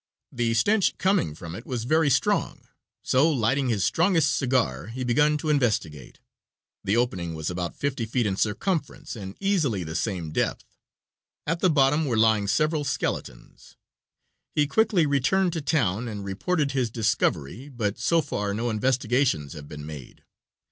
The stench coming from it was very strong, so lighting his strongest cigar, he begun to investigate. The opening was about fifty feet in circumference, and easily the same depth. At the bottom were lying several skeletons. He quickly returned to town and reported his discovery, but so far no investigations have been made.